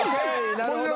なるほど！